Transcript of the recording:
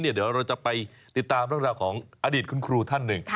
เดี๋ยวเราจะไปติดตามเรื่องราวของอดีตคุณครูท่านหนึ่ง